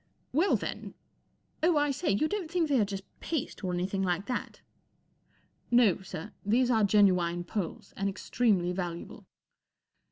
44 Well, then Oh, I say, you don't think they are just paste or anything like that ?" 44 No, sir. These are genuine pearls, and extremely valuable."